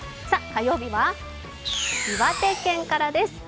火曜日は岩手県からです。